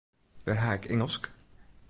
Wêr ha ik Ingelsk?